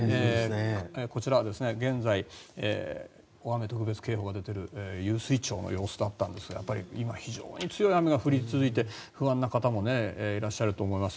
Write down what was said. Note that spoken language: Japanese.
こちらは現在、大雨特別警報が出ている湧水町の様子だったんですが今、非常に強い雨が降り続いて不安な方もいると思います。